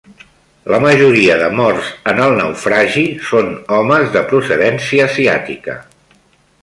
La majoria de morts en el naufragi són homes de procedència asiàtica.